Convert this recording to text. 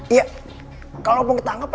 iya kalau lo mau ketangkep